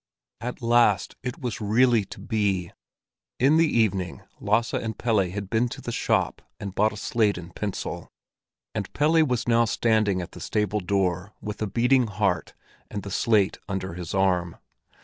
At last it was really to be! In the evening Lasse and Pelle had been to the shop and bought a slate and pencil, and Pelle was now standing at the stable door with a beating heart and the slate under his arm.